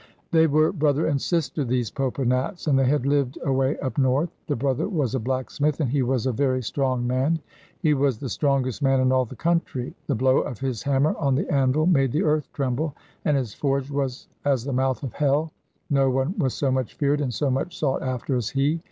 They were brother and sister, these Popa Nats, and they had lived away up North. The brother was a blacksmith, and he was a very strong man. He was the strongest man in all the country; the blow of his hammer on the anvil made the earth tremble, and his forge was as the mouth of hell. No one was so much feared and so much sought after as he.